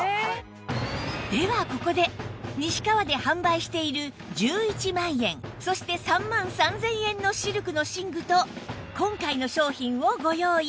ではここで西川で販売している１１万円そして３万３０００円のシルクの寝具と今回の商品をご用意